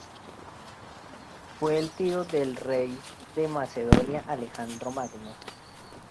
Fue el tío del rey de Macedonia Alejandro Magno.